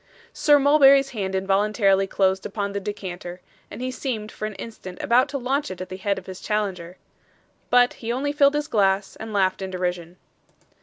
Sir Mulberry's hand involuntarily closed upon the decanter, and he seemed for an instant about to launch it at the head of his challenger. But he only filled his glass, and laughed in derision.